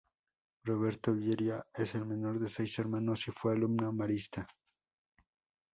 Roberto Vieira es el menor de seis hermanos y fue alumno marista.